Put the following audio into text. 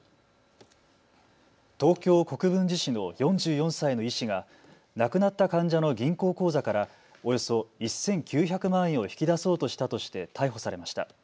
東京国分寺市の４４歳の医師が亡くなった患者の銀行口座からおよそ１９００万円を引き出そうとしたとして逮捕されました。